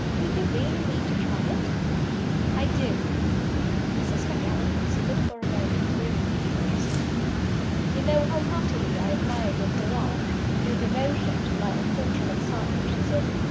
Do you really mean to try it?" "I do!" Mrs. Macallan considered for a moment grimly with herself. "You know how heartily I admire your courage, and your devotion to my unfortunate son," she said.